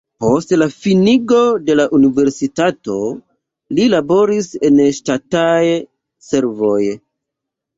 Post la finigo de la universitato li laboris en ŝtataj servoj.